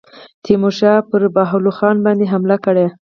تیمورشاه پر بهاول خان باندي حمله کړې.